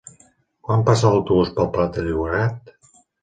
Quan passa l'autobús per el Prat de Llobregat?